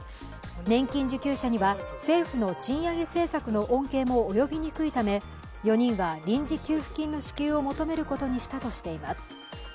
年金受給者には、政府の賃上げ政策の恩恵も及びにくいため、４人は、臨時給付金の支給を求めることにしたとしています。